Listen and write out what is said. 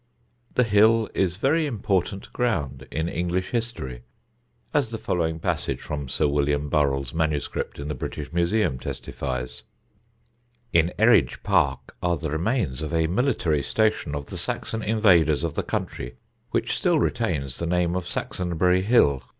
The hill is very important ground in English history, as the following passage from Sir William Burrell's MSS. in the British Museum testifies: "In Eridge Park are the remains of a military station of the Saxon invaders of the country, which still retains the name of Saxonbury Hill.